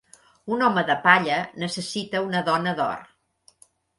Un home de palla necessita una dona d'or.